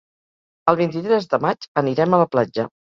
El vint-i-tres de maig anirem a la platja.